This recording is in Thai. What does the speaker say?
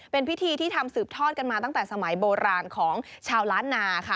เป็นพิธีที่ทำสืบทอดกันมาตั้งแต่สมัยโบราณของชาวล้านนาค่ะ